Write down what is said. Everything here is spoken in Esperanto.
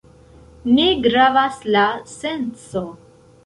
Ne gravas la senco.